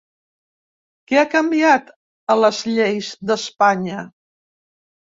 Què ha canviat a les lleis d’Espanya?